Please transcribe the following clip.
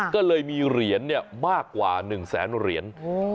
ก็เลยมีเหรียญเนี่ยมากกว่าหนึ่งแสนเหรียญโอ้